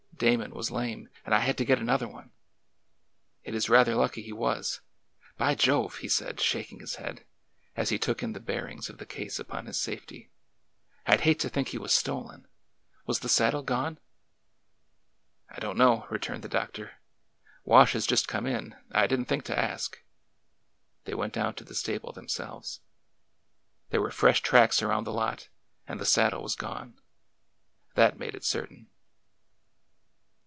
Damon was lame, and I had to get another one. It is rather lucky he was. By Jove! " he said, shaking his head, as he took in the bear ings of the case upon his safety, " I 'd hate to think he was stolen 1 Was the saddle gone? " 2i8 ORDER NO. 11 I don't know," returned the doctor. Wash has just come in. I did n't think to ask." They went down to the stable themselves. There were fresh tracks around the lot, and the saddle was gone. That made it certain.